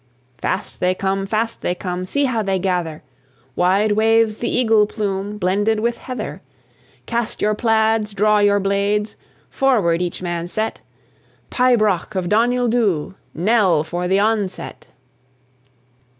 Fast they come, fast they come; See how they gather! Wide waves the eagle plume Blended with heather, Cast your plaids, draw your blades, Forward each man set! Pibroch of Donuil Dhu Knell for the onset!